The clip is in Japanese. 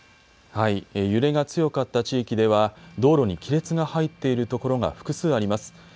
揺れが強かった地域では道路に亀裂が入っているところが複数あります。